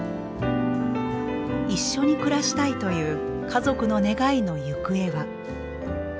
一緒に暮らしたいという家族の願いの行方は。